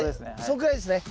そんくらいですね。